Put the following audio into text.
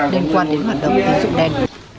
đềm quan đến hoạt động tín dụng đen